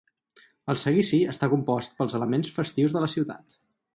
El Seguici està compost pels elements festius de la ciutat.